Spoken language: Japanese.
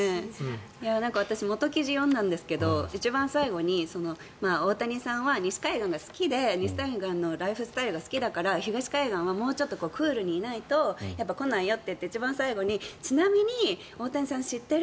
私、元記事読んだんですけど一番最後に大谷さんは西海岸のライフスタイルが好きだから東海岸はもうちょっとクールにいないと来ないよっていって一番最後にちなみに大谷さん知ってる？